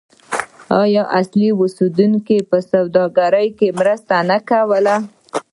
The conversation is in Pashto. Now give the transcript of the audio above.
آیا اصلي اوسیدونکو په سوداګرۍ کې مرسته نه کوله؟